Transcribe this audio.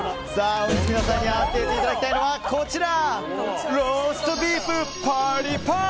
本日、皆さんに当てていただきたいのはこちら！